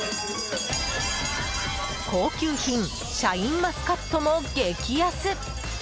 高級品、シャインマスカットも激安！